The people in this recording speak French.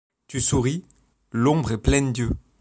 Tu souris… . -L'ombre est pleine d'yeux